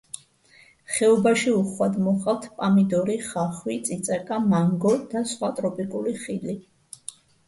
ხეობაში უხვად მოჰყავთ პამიდორი, ხახვი, წიწაკა, მანგო და სხვა ტროპიკული ხილი.